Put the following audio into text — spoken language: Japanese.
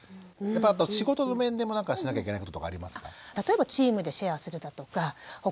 あと仕事の面でも何かしなきゃいけないこととかありますか？